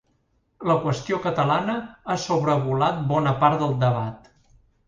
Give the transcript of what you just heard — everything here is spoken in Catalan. La qüestió catalana ha sobrevolat bona part del debat.